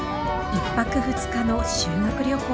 １泊２日の修学旅行。